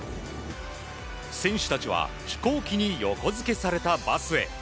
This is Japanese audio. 選手たちは飛行機に横付けされたバスへ。